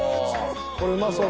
これうまそうだ。